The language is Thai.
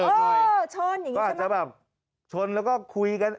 ก็อาจจะแบบชนแล้วก็คุยกัน